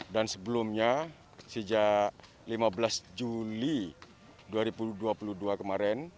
dan sebelumnya sejak lima belas juli dua ribu dua puluh dua kemarin